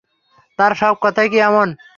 তার সব কথাই কি এমন?